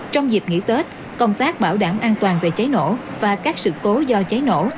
trong dịp nghỉ tết công tác bảo đảm an toàn về cháy nổ và các sự cố do cháy nổ